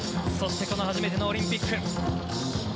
そしてこの初めてのオリンピック。